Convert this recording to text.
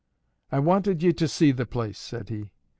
"I wanted ye to see the place," said he.